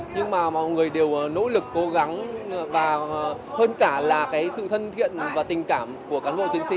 nhưng mà mọi người đều nỗ lực cố gắng và hơn cả là cái sự thân thiện và tình cảm của cán bộ chiến sĩ